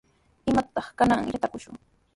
¿Imatataq kananqa yatrakushun?